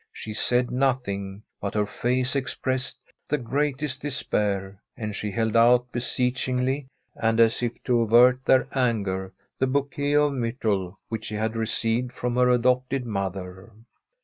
She said nothing, but her face expressed the greatest despair, and she held out beseech ingly, and as if to avert their anger, the bou quet of myrtle which she had received from her adopted mother.